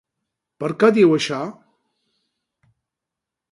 Per què diu això?